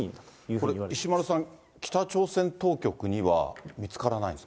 これ、石丸さん、北朝鮮当局には見つからないですか。